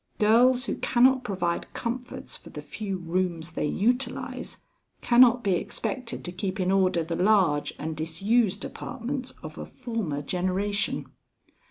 Girls who cannot provide comforts for the few rooms they utilize, cannot be expected to keep in order the large and disused apartments of a former generation."